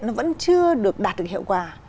nó vẫn chưa được đạt được hiệu quả